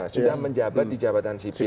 sudah menjabat di jabatan sipil